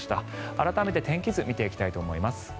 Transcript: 改めて天気図を見ていきたいと思います。